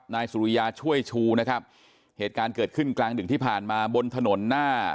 นายสุริยาช่วยชูนะครับเหตุการณ์เกิดขึ้นกลางดึกที่ผ่านมาบนถนนหน้า